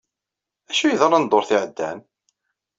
Acu i yeḍran ddurt iɛeddan?